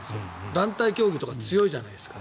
団体競技とか強いじゃないですか。